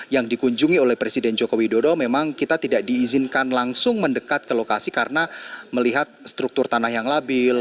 yang dikunjungi oleh presiden joko widodo memang kita tidak diizinkan langsung mendekat ke lokasi karena melihat struktur tanah yang labil